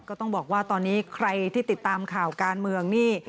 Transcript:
ก็ต้องบอกว่าตอนนี้ใครที่ติดตามข่าวการเมืองนี่